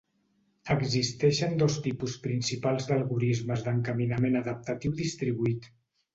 Existeixen dos tipus principals d'algorismes d'encaminament adaptatiu distribuït.